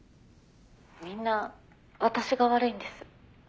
「みんな私が悪いんです」